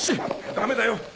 ダメだよ！